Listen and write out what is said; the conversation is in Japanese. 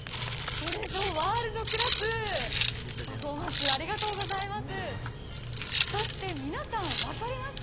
これぞワールドクラス、パフォーマンスありがとうございました。